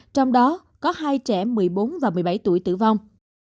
trong đó có hai trẻ một mươi bốn và một mươi bảy tuổi tử vong